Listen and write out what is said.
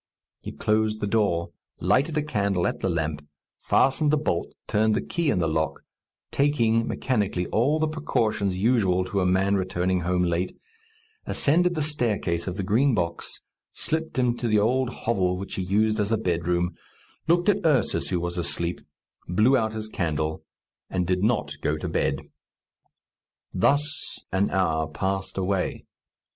He closed the door, lighted a candle at the lamp, fastened the bolt, turned the key in the lock, taking, mechanically, all the precautions usual to a man returning home late, ascended the staircase of the Green Box, slipped into the old hovel which he used as a bedroom, looked at Ursus who was asleep, blew out his candle, and did not go to bed. Thus an hour passed away.